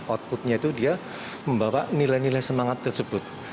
outputnya itu dia membawa nilai nilai semangat tersebut